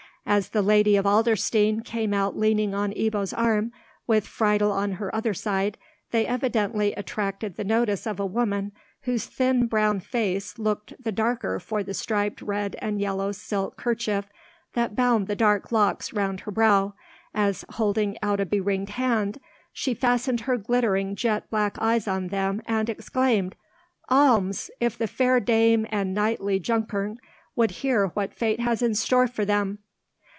As the Lady of Adlerstein came out leaning on Ebbo's arm, with Friedel on her other side, they evidently attracted the notice of a woman whose thin brown face looked the darker for the striped red and yellow silk kerchief that bound the dark locks round her brow, as, holding out a beringed hand, she fastened her glittering jet black eyes on them, and exclaimed, "Alms! if the fair dame and knightly Junkern would hear what fate has in store for them."